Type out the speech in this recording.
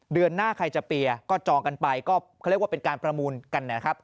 เดือนหน้าใครจะเปียร์ก็จองกันไปก็เขาเรียกว่าเป็นการประมูลกันนะครับ